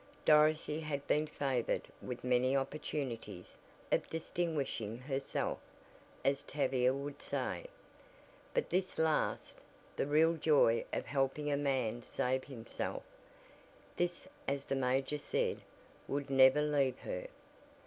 Dorothy had been favored with many opportunities of "distinguishing herself" as Tavia would say, but this last the real joy of helping a man save himself this as the major said, would never leave her.